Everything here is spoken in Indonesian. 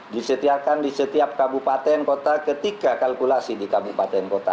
disediakan di setiap kabupaten kota ketika kalkulasi di kabupaten kota